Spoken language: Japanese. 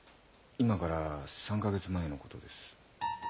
今から３か月前のことです。